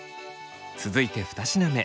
続いて二品目。